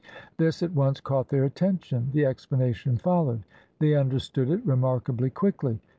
This at once caught their attention. The explanation fol lowed. They understood it remarkably quickly.